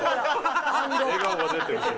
笑顔が出てる。